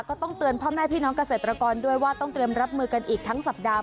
ก็ต้องเตือนพ่อแม่พี่น้องเกษตรกรด้วยว่าต้องเตรียมรับมือกันอีกทั้งสัปดาห